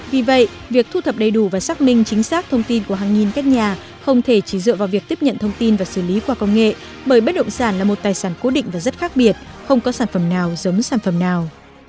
vì vậy việc thu thập đầy đủ và xác minh chính xác thông tin của hàng nghìn các nhà không thể chỉ dựa vào việc tiếp nhận thông tin và xử lý qua công nghệ bởi bất động sản là một tài sản cố định và rất khác biệt không có sản phẩm nào giống sản phẩm nào